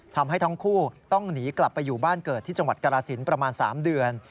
ทำให้ทั้งคู่ต้องหนีกลับไปอยู่บ้านเกิดที่จังหวัดกรสินประมาณ๓เดือน